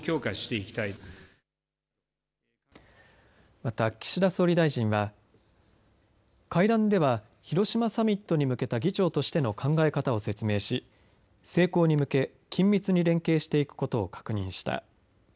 また、岸田総理大臣は会談では広島サミットに向けた議長としての考え方を説明し成功に向け緊密に連携していくことを確認した。